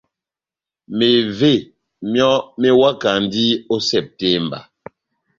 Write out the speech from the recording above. Mevé myɔ́ mewakandi ó Sepitemba.